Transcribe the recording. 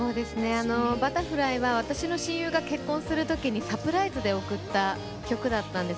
「Ｂｕｔｔｅｒｆｌｙ」は私の親友が結婚する時にサプライズで贈った曲だったんです。